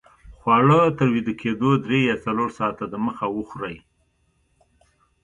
خواړه تر ویده کېدو درې یا څلور ساته دمخه وخورئ